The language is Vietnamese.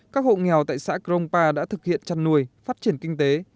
các hộ nghèo tại xã grongpa đã thực hiện trăn nuôi phát triển kinh tế